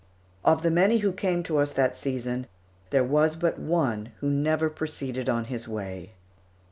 Of the many who came to us that season, there was but one who never proceeded on his way.